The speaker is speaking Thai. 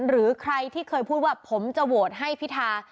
หรือใครที่เคยพูดว่าผมจะโหวตให้พิธา